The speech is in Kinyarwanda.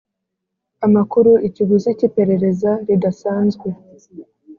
amakuru ikiguzi cy iperereza ridasanzwe